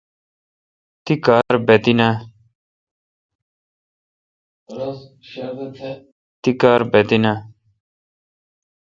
تی کار بہ تی ناں